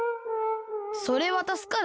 「それはたすかる。